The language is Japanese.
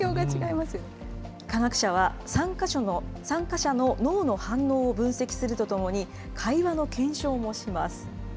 科学者は、参加者の脳の反応を分析するとともに、会話の検証もします。